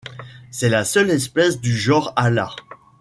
C'est la seule espèce du genre Halla.